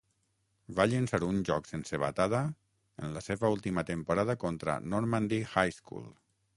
Va llençar un joc sense batada en la seva última temporada contra Normandy High School.